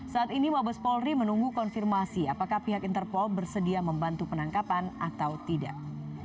saat ini mabes polri menunggu konfirmasi apakah pihak interpol bersedia membantu penangkapan atau tidak